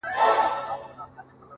• ته دښمنه یې د خپلو چي تنها یې ,